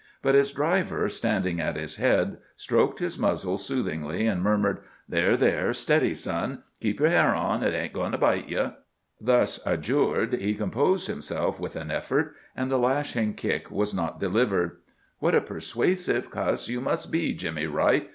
But his driver, standing at his head, stroked his muzzle soothingly and murmured: "There, there, steady, Son! Keep your hair on! It ain't goin' to bite you." Thus adjured, he composed himself with an effort, and the lashing kick was not delivered. "What a persuasive cuss you must be, Jimmy Wright!"